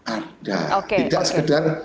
ada tidak sekedar